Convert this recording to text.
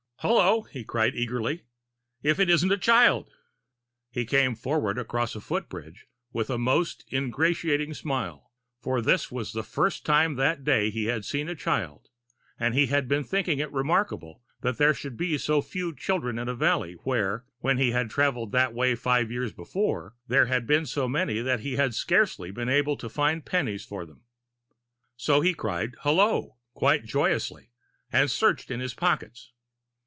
"Hullo!" he cried eagerly, "if it isn't a child!" He came forward across the foot bridge with a most ingratiating smile, for this was the first time that day he had seen a child and he had been thinking it remarkable that there should be so few children in a valley, where, when he had travelled that way five years before, there had been so many he had scarcely been able to find pennies for them. So he cried "Hullo," quite joyously, and searched in his pockets.